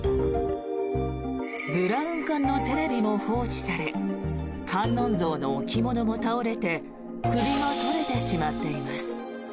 ブラウン管のテレビも放置され観音像の置物も倒れて首が取れてしまっています。